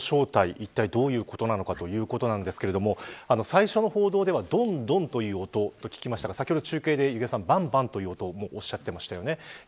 いったいどういうものなのかということなんですけれども最初の報道ではドンドンという音と聞きましたが、先ほど中継でバンバンという音をおっしゃっていました。